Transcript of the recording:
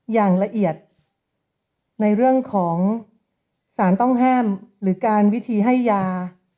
อย่างละเอียดในเรื่องของสารต้องห้ามหรือการวิธีให้ยา